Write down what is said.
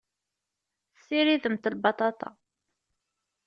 Tessiridemt lbaṭaṭa.